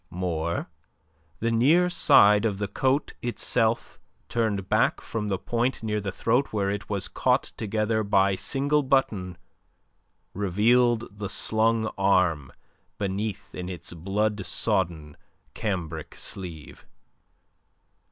More, the near side of the coat itself turned back from the point near the throat where it was caught together by a single button, revealed the slung arm beneath in its blood sodden cambric sleeve.